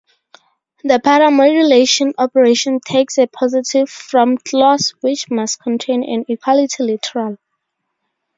The paramodulation operation takes a positive "from" clause, which must contain an equality literal.